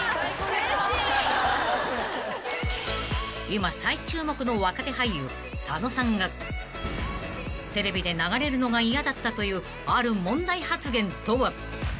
［今最注目の若手俳優佐野さんがテレビで流れるのが嫌だったというある問題発言とは？］